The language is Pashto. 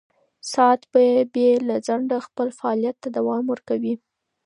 ساعت به بې له ځنډه خپل فعالیت ته دوام ورکوي.